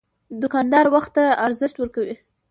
دوکاندار وخت ته ارزښت ورکوي.